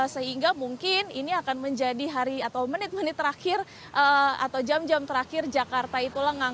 sehingga mungkin ini akan menjadi hari atau menit menit terakhir atau jam jam terakhir jakarta itu lengang